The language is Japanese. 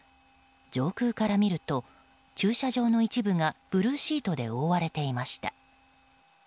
上空から見ると、駐車場の一部がブルーシートで覆われていました。